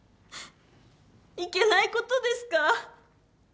いけないことですか？